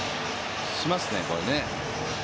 しますね、これね。